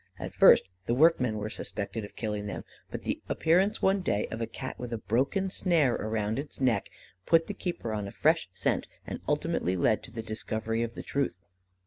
At first the workmen were suspected of killing them; but the appearance, one day, of a Cat with a broken snare round its neck, put the keeper on a fresh scent, and ultimately led to the discovery of the truth.